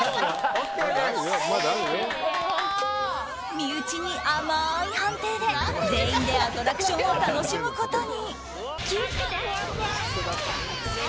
身内に甘い判定で、全員でアトラクションを楽しむことに。